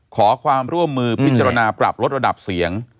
ขอความร่วมมือพิจารณาปรับลดระดับเสียง